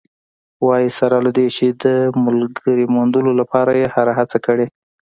وايي، سره له دې چې د ملګرې موندلو لپاره یې هره هڅه کړې